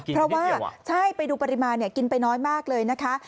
เพราะว่าใช่ไปดูปริมาณกินไปน้อยมากเลยนะคะ